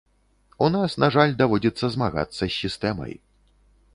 У нас, на жаль, даводзіцца змагацца з сістэмай.